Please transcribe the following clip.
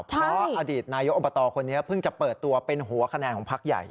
เพราะอดีตนายกอบตคนนี้เพิ่งจะเปิดตัวเป็นหัวคะแนนของพักใหญ่